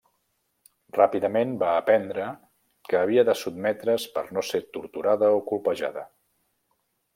Ràpidament va aprendre que havia de sotmetre's per no ser torturada o copejada.